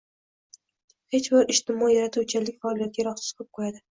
hech bir ijtimoiy yaratuvchanlik faoliyatiga yaroqsiz qilib qo‘yadi.